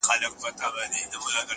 نو خود به اوس ورځي په وينو رنگه ككــرۍ،